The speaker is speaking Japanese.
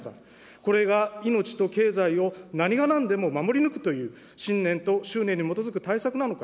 これが命と経済を何がなんでも守り抜くという信念と執念に基づく対策なのか。